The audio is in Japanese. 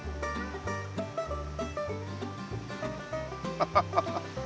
ハハハハ。